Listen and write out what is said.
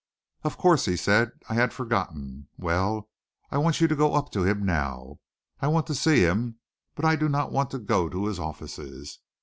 "Of course," he said. "I had forgotten. Well, I want you to go up to him now. I want to see him, but I do not want to go to his offices.